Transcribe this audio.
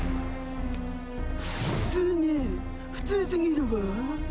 普通ね普通すぎるわ。